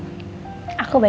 aku baik baik aja kok riana